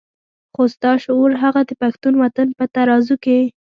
خو ستا شعور هغه د پښتون وطن په ترازو کې.